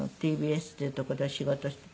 ＴＢＳっていう所で仕事して」。